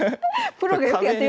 プロがよくやってるやつ。